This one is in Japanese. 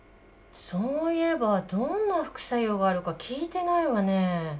そういえばどんな副作用があるか聞いてないわね。